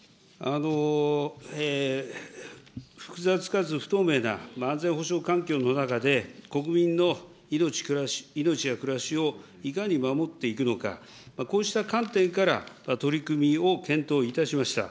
複雑かつ不透明な安全保障環境の中で、国民の命、暮らし、命や暮らしをいかに守っていくのか、こうした観点から取り組みを検討いたしました。